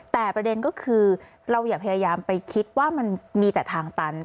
แต่ประเด็นก็คือเราอย่าพยายามไปคิดว่ามันมีแต่ทางตัน